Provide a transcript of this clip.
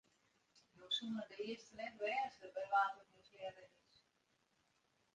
Jo soene de earste net wêze by wa't it mislearre is.